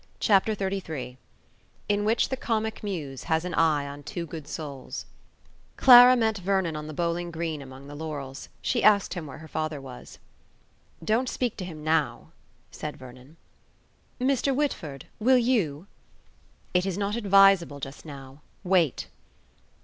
CHAPTER XXXIII IN WHICH THE COMIC MUSE HAS AN EYE ON TWO GOOD SOULS Clara met Vernon on the bowling green among the laurels. She asked him where her father was. "Don't speak to him now," said Vernon. "Mr. Whitford, will you?" "It is not advisable just now. Wait."